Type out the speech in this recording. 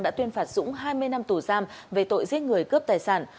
đã tuyên phạt dũng hai mươi năm tù giam về tội giết người cướp tài sản